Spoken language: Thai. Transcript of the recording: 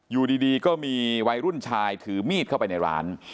อยู่ดีก็มีวัยรุ่นชายถือมีดเข้าไปในร้าน